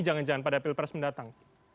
jangan jangan pada pilpres mendatang